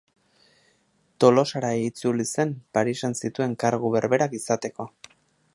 Tolosara itzuli zen Parisen zituen kargu berberak izateko.